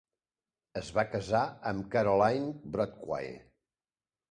Es va casar amb Caroline Brockway.